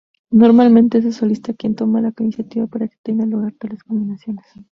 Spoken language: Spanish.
Normalmente es el solista quien toma la iniciativa para que tengan lugar tales combinaciones.